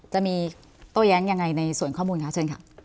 โต้แย้งยังไงในส่วนข้อมูลคะเชิญค่ะ